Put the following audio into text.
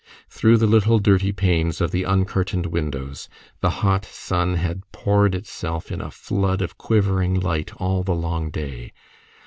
Through the little dirty panes of the uncurtained windows the hot sun had poured itself in a flood of quivering light all the long day.